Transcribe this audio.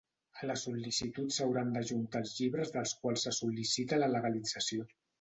A la sol·licitud s'hauran d'adjuntar els llibres dels quals se sol·licita la legalització.